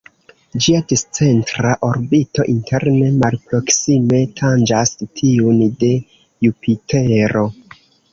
Ĝia discentra orbito interne malproksime tanĝas tiun de Jupitero.